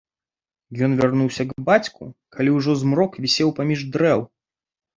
Ён вярнуўся к бацьку, калі ўжо змрок вісеў паміж дрэў.